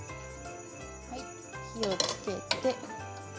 火をつけて。